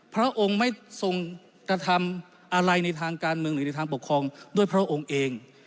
พระองค์ไม่ทรงกระทำอะไรในทางการเมืองหรือในทางปกครองด้วยพระองค์เอง